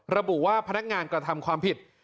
ระบุว่าพนักงานกระทำความผิด